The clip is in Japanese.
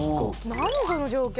その条件。